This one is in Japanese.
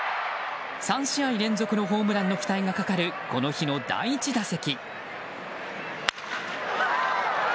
３試合連続のホームランの期待がかかる、この日の第１打席。